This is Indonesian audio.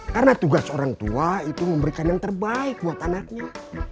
karena tugas orang tua itu memberikan yang terbaik buat anaknya